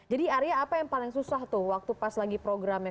jadi area apa yang paling susah tuh waktu pas lagi programnya